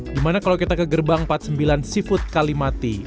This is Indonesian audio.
dimana kalau kita ke gerbang empat puluh sembilan seafood kalimati